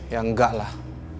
ya enggak lah